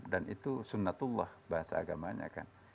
dan itu sunnatullah bahasa agamanya kan